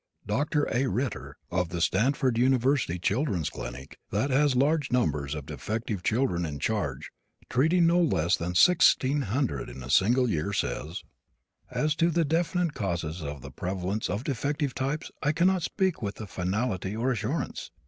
Dr. A. Ritter, of the Stanford University Children's Clinic, that has large numbers of defective children in charge, treating no less than sixteen hundred in a single year, says: "As to the definite causes of the prevalence of defective types, I cannot speak with finality or assurance.